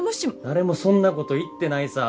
誰もそんなこと言ってないさ。